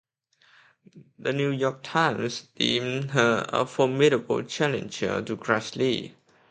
"The New York Times" deemed her a "formidable challenger" to Grassley.